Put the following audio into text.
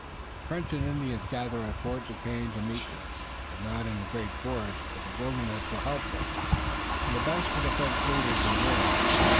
"The French and Indians gather at Fort Duquesne to meet you. They are not in great force, but the wilderness will help them and the best of the French leaders are there."